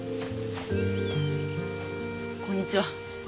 こんにちは。